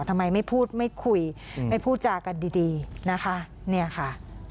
ทำไมไม่พูดไม่คุยไม่พูดจากกันดีนะคะ